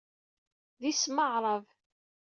D isem aɛṛab.